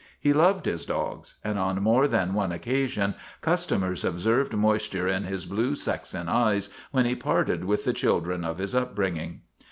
He loved his dogs, and on more than one occasion customers observed moisture in his blue Saxon eyes when he parted with the children of his upbringing.